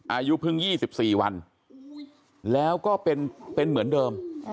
อายุเพิ่ง๒๔วันแล้วก็เป็นเหมือนเดิม